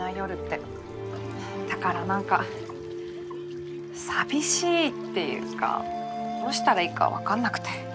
だから何か寂しいっていうかどうしたらいいか分かんなくて。